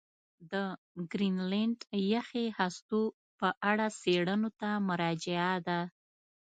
د ګرینلنډ یخي هستو په اړه څېړنو ته مراجعه ده.